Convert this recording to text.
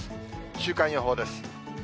週間予報です。